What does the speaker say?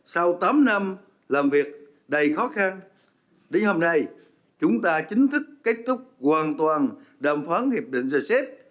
sau tám năm làm việc đầy khó khăn đến hôm nay chúng ta chính thức kết thúc hoàn toàn đàm phán hiệp định rcep